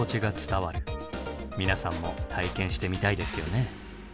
皆さんも体験してみたいですよね？